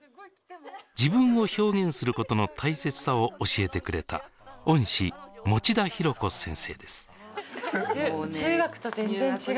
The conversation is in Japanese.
自分を表現することの大切さを教えてくれた恩師中学と全然違う。